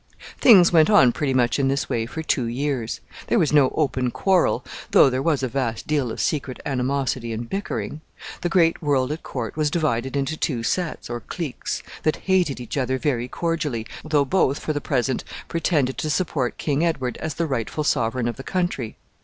Things went on pretty much in this way for two years. There was no open quarrel, though there was a vast deal of secret animosity and bickering. The great world at court was divided into two sets, or cliques, that hated each other very cordially, though both, for the present, pretended to support King Edward as the rightful sovereign of the country.